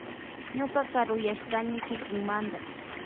Ñuka karuyashkani kikimanta.